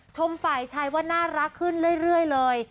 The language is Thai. ชมฝ่ายชายว่าน่ารักขึ้นเรื่อยเลย